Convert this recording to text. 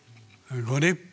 ご立派！